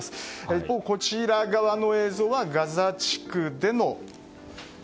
一方こちらの映像はガザ地区での。